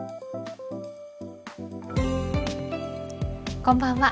こんばんは。